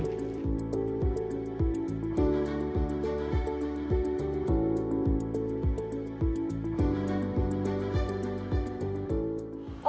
kita ke kebun